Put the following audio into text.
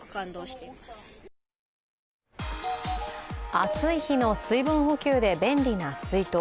暑い日の水分補給で便利な水筒。